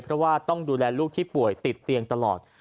เพราะว่าต้องดูแลลูกที่ป่วยติดเตียงตลอด